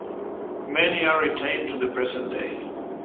Many are retained to the present day.